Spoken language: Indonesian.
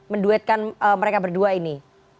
menduetkan mereka berdua ini